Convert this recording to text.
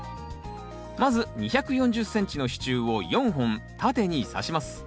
まず２４０ｃｍの支柱を４本縦にさします。